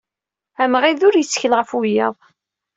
Amɣid ur yettkel ɣef wiyaḍ.